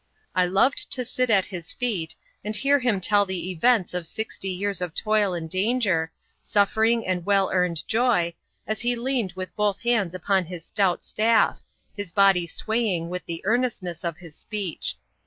I loved to sit at his feet, and hear him tell the events of sixty years of toil and danger, suffering and well earned joy, as he leaned with both hands upon his stout staff, his body swaying with the earnestness of his speech.